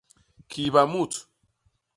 Kiiba mut.